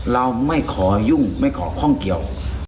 เราไม่ขอยุ่งไม่ขอข้องเกี่ยว